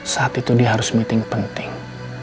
saat itu dia harus meeting penting